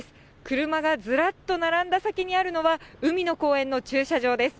車がずらっと並んだ先にあるのは、海の公園の駐車場です。